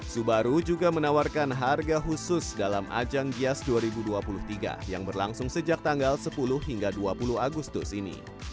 subaru juga menawarkan harga khusus dalam ajang gias dua ribu dua puluh tiga yang berlangsung sejak tanggal sepuluh hingga dua puluh agustus ini